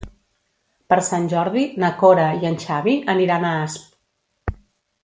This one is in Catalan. Per Sant Jordi na Cora i en Xavi aniran a Asp.